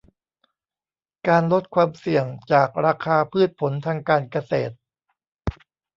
การลดความเสี่ยงจากราคาพืชผลทางการเกษตร